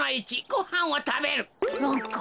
ごはんをたべる。